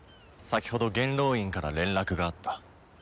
先ほど元老院から連絡があった。